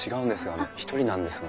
あの１人なんですが。